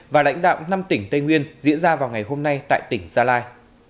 và lãnh đạo năm tỉnh tây nguyên diễn ra vào ngày hôm nay tại tỉnh gia lai